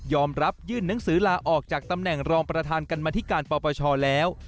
รับยื่นหนังสือลาออกจากตำแหน่งรองประธานกรรมธิการปปชแล้ว